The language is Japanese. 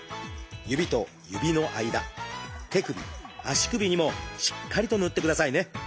指と指の間手首足首にもしっかりと塗ってくださいね。